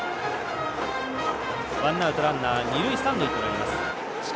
ワンアウト、ランナー二塁三塁となりました。